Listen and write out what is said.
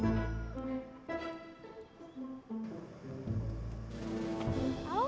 juga dapat di kristus webtoon